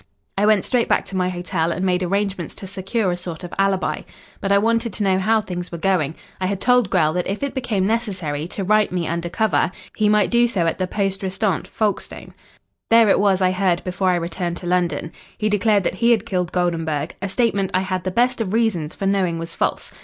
I went straight back to my hotel, and made arrangements to secure a sort of alibi. But I wanted to know how things were going. I had told Grell that if it became necessary to write me under cover, he might do so at the poste restante, Folkestone. There it was I heard before I returned to London. He declared that he had killed Goldenburg, a statement I had the best of reasons for knowing was false.